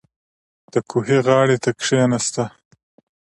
• د کوهي غاړې ته کښېنه.